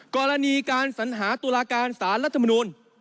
กรณีการสัญหาตุลาการสารรัฐมนูล